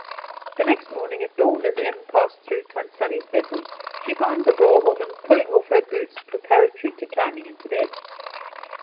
The next morning at dawn, as Em passed through Tant Sannie's bedroom, she found the Boer woman pulling off her boots preparatory to climbing into bed.